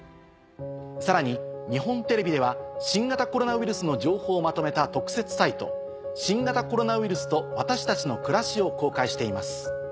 さらに日本テレビでは新型コロナウイルスの情報をまとめた。を公開しています。